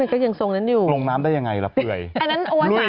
กินแต่ย่าไงค่อยกิน